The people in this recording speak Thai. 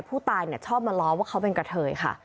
ผู้ตายชอบมาล้อว่าเขาเป็นกระเทยค่ะ